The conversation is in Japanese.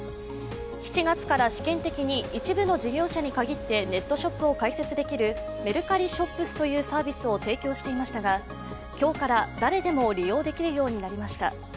７月から試験的に一部の事業者に限ってネットショップを開設できるメルカリＳｈｏｐｓというサービスを提供していましたが今日から誰でも利用できるようになりました。